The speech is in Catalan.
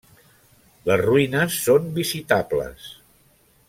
Les ruïnes són visitables.